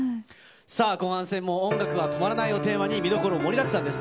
さあ、後半戦も音楽は止まらないをテーマに、見どころ、盛りだくさんです。